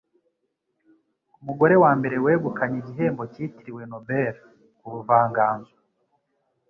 Umugore wambere wegukanye igihembo cyitiriwe Nobel kubuvanganzo